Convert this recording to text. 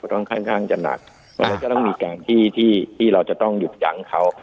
ค่อนข้างจะหนักแล้วจะต้องมีแก่งที่ที่เราจะต้องหยุดยั้งเขา